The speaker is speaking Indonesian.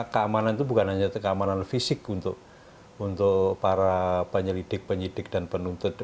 keamanan itu bukan hanya keamanan fisik untuk para penyelidik penyidik dan penuntut